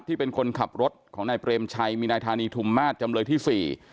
เป็นคนขับรถของนายเปรมชัยมีนายธานีทุมมาตรจำเลยที่สี่